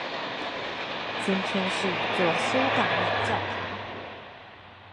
今天是一座修道院教堂。